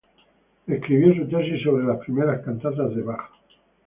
Escribió su tesis sobre las primeras cantatas de Bach.